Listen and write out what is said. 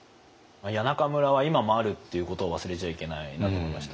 谷中村は今もあるっていうことを忘れちゃいけないなと思いました。